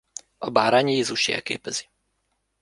A Bárány Jézust jelképezi.